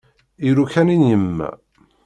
Iruka-nni n yemma.